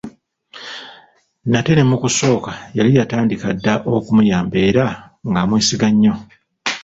Nate ne mu kusooka yali yatandika dda okumuyamba era nga amwesiga nnyo.